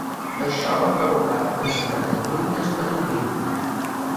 Això va provocar una setmana de lluites a Dublín.